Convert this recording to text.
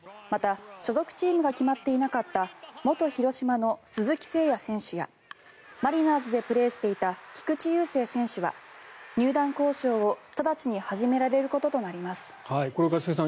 また所属チームが決まっていなかった元広島の鈴木誠也選手やマリナーズでプレーしていた菊池雄星選手は入団交渉を直ちに始められることとなります。